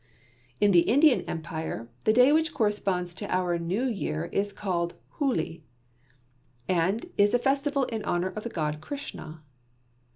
In the Indian Empire, the day which corresponds to our New Year is called "Hooly" and is a feast in honour of the god Krishna.